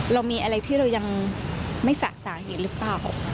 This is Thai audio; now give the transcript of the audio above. เรามีอะไรที่เรายังไม่สะสาเหตุหรือเปล่า